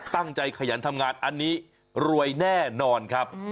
ขยันทำงานอันนี้รวยแน่นอนครับ